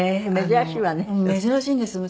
珍しいんですよ。